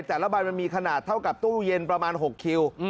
แต่ละใบมันมีขนาดเท่ากับตู้เย็นประมาณ๖คิว